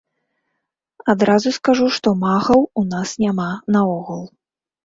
Адразу скажу, што магаў у нас няма наогул.